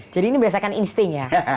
jadi ini berdasarkan insting ya